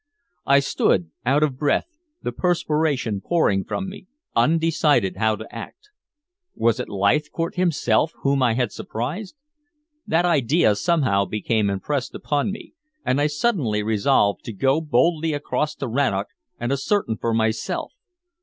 I stood out of breath, the perspiration pouring from me, undecided how to act. Was it Leithcourt himself whom I had surprised? That idea somehow became impressed upon me and I suddenly resolved to go boldly across to Rannoch and ascertain for myself.